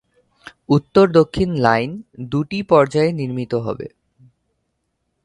উত্তর-দক্ষিণ line দুটি পর্যায়ে নির্মিত হবে।